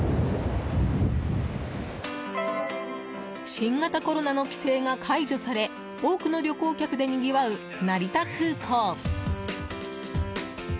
新型コロナの規制が解除され多くの旅行客でにぎわう成田空港。